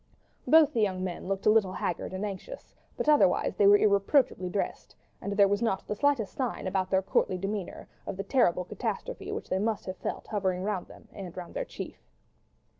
Both the young men looked a little haggard and anxious, but otherwise they were irreproachably dressed, and there was not the slightest sign, about their courtly demeanour, of the terrible catastrophe, which they must have felt hovering round them and round their chief.